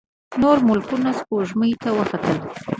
نور ملکونه سپوږمۍ ته وختل.